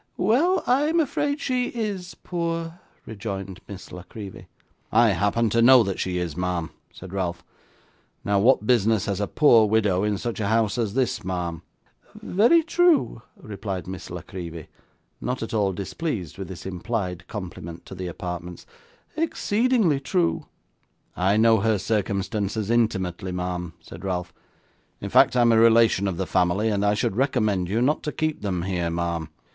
'Well, I'm afraid she IS poor,' rejoined Miss La Creevy. 'I happen to know that she is, ma'am,' said Ralph. 'Now, what business has a poor widow in such a house as this, ma'am?' 'Very true,' replied Miss La Creevy, not at all displeased with this implied compliment to the apartments. 'Exceedingly true.' 'I know her circumstances intimately, ma'am,' said Ralph; 'in fact, I am a relation of the family; and I should recommend you not to keep them here, ma'am.